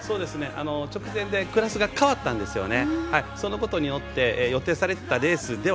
直前でクラスが変わったんですよね。